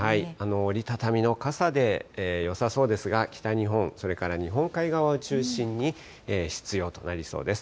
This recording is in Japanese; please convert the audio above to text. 折り畳みの傘でよさそうですが、北日本、それから日本海側を中心に必要となりそうです。